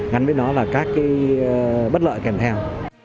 gắn với nó là các cái bất lợi kèm theo